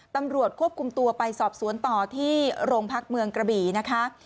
ตำรวจควบคุมตัวไปสอบสวนต่อที่โรงพักเมืองกระบี่นะคะ